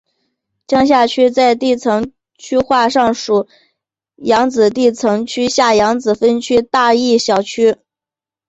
江夏区在地层区划上属扬子地层区下扬子分区大冶小区。